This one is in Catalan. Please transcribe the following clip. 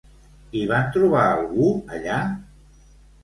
Hi van trobar algú allà?